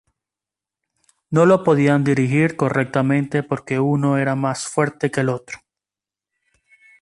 No lo podían dirigir correctamente porque uno era más fuerte que el otro.